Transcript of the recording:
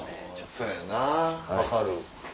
そやな分かる。